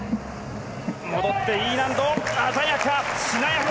戻ってＥ難度、鮮やか、しなやか！